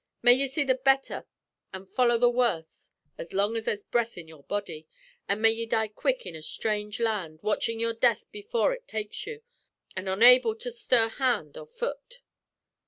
May ye see the betther and follow the worse as long as there's breath in your body, an' may ye die quick in a strange land, watchin' your death before ut takes you, an' onable to stir hand or fut!'